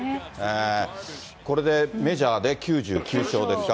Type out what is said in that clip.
これでメジャーで９９勝ですか。